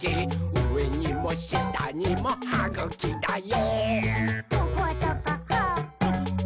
うえにもしたにもはぐきだよ！」